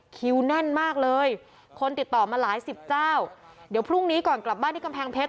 แน่นมากเลยคนติดต่อมาหลายสิบเจ้าเดี๋ยวพรุ่งนี้ก่อนกลับบ้านที่กำแพงเพชร